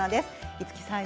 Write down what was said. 五木さん